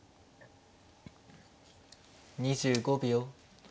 ２５秒。